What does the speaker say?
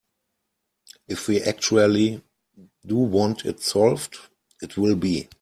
If we actually do want it solved, it will be.